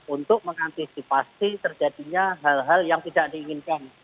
untuk mengantisipasi terjadinya hal hal yang tidak diinginkan